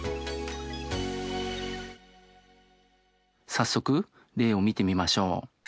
早速例を見てみましょう。